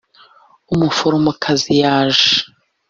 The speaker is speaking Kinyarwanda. umuforomokazi yaje.